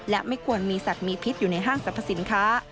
และไม่ควรมีสัตว์มีพิษอยู่ในห้างสรรพสินค้า